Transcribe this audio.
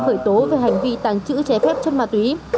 khởi tố về hành vi tàng trữ trái phép chất ma túy